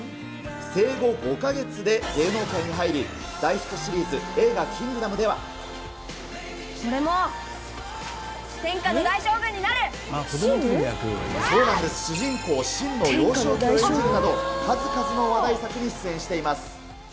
生後５か月で芸能界に入り、大ヒットシリーズ、映画、キング俺も、そうなんです、主人公、信の幼少期を演じるなど、数々の話題作に出演しています。